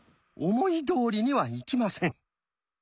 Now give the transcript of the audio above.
思いどおりにはいきません。